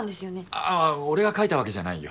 ああ俺が描いたわけじゃないよ。